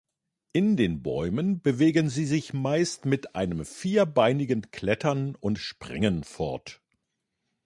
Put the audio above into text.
In den Bäumen bewegen sie sich meist mit einem vierbeinigen Klettern und Springen fort.